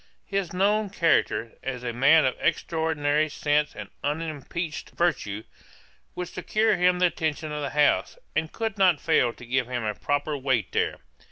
'His known character, as a man of extraordinary sense and unimpeached virtue, would secure him the attention of the House, and could not fail to give him a proper weight there.